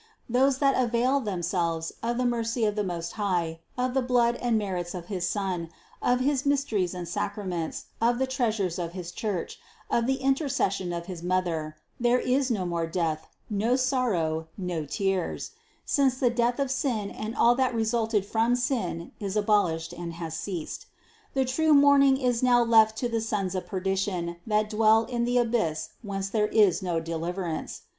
Those that avail themselves of the mercy of the Most High, of the blood and merits of his Son, of his mysteries and sacraments, of the treasures of his Church, of the inter cession of his Mother, there is no more death, no sor row, no tears: since the death of sin and all that re sulted from sin is abolished and has ceased. The true THE CONCEPTION 209 mourning is now left to the sons of perdition that dwell in the abyss whence there is no deliverance.